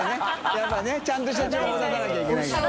笋辰僂ちゃんとした情報を出さなきゃいけないから。